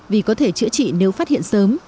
vì có thể chữa trị nếu phát hiện sớm